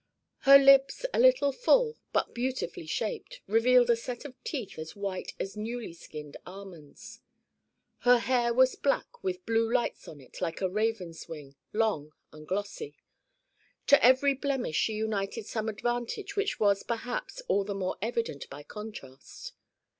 Her lips, a little full but beautifully shaped, revealed a set of teeth as white as newly skinned almonds. Her hair was black with blue lights on it like a raven's wing, long and glossy. To every blemish she united some advantage which was perhaps all the more evident by contrast.